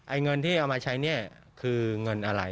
เงินที่เอามาใช้เนี่ยคือเงินอะไร